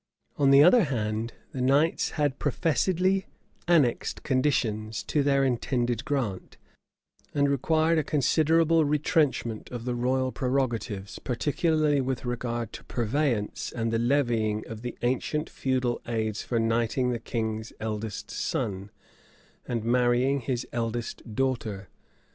On the other hand, the knights had professedly annexed conditions to their intended grant, and required a considerable retrenchment of the royal prerogatives, particularly with regard to purveyance, and the levying of the ancient feudal aids for knighting the king's eldest son, and marrying his eldest daughter.